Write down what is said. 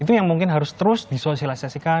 itu yang mungkin harus terus disosialisasikan